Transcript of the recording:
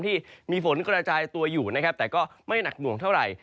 ที่มีฝนกระจายตัวอยู่นะครับแต่ก็ไม่หนักหน่วงเท่าไหร่